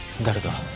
誰だ？